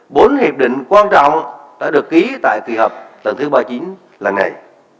bốn hiệp định quan trọng đã được ký tại kỳ họp lần thứ ba mươi chín lần này